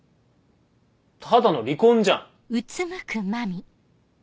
ただの離婚じゃん！